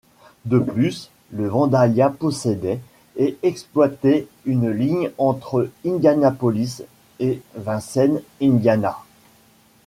De plus, le Vandalia possédait et exploitait une ligne entre Indianapolis et Vincennes, Indiana.